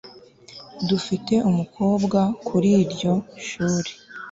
dufite umukobwa kuri iryo shuri